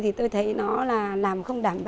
thì tôi thấy nó là làm không đảm bảo